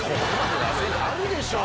あるでしょ